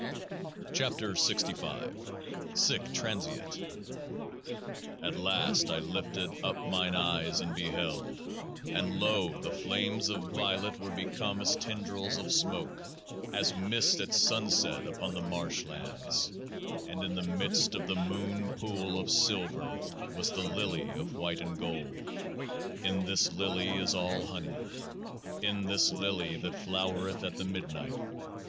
81 KEOAAH SE SIC TRANSEAT " At last I lifted up mine eyes, and beheld ; and lo ! the flames of violet were become as tendrils of smoke, as mist at sunset upon the marsh lands. " And in the midst of the moon pool of silver was the Lily of white and gold. In this Lily is all honey, in this Lily that flowereth at the midnight.